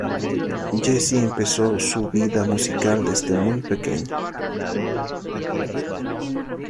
Jesse empezó su su vida musical desde muy pequeño.